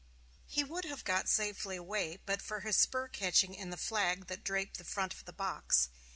He would have got safely away but for his spur catching in the flag that draped the front of the box.